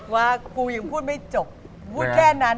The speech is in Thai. ว่ากูยังพูดไม่จบพูดแค่นั้น